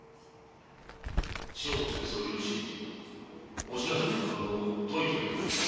将翁先生を許しお品さんの勘当解いてやってくれるな。